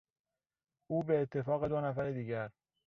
او به اتفاق دو نفر دیگر